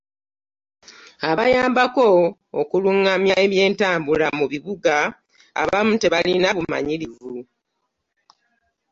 Abayambako okulungamya ebyentambula mu bibuga abamu tebalina bumanyirivu.